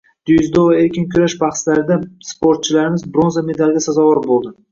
Dzyudo va erkin kurash bahslarda sportchilarimiz bronza medalga sazovor bo‘ldi.